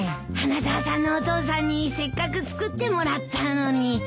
花沢さんのお父さんにせっかく作ってもらったのに。